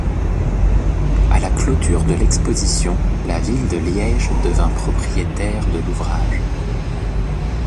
À la clôture de l’exposition, la ville de Liège devint propriétaire de l’ouvrage.